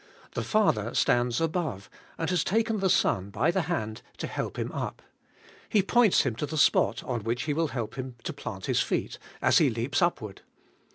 The father stands above, and has taken the son by the hand to help him up. He points him to the spot on which he will help him to plant his feet, as he leaps upward.